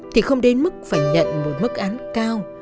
thì không đến mức phải nhận một mức án cao